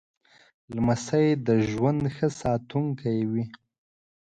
لمسی د ژوند ښه ساتونکی وي.